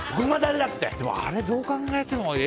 でもあれ、どう考えても。